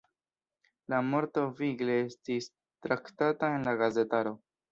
La morto vigle estis traktata en la gazetaro.